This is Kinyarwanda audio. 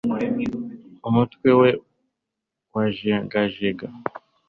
Umutwe we wajegajega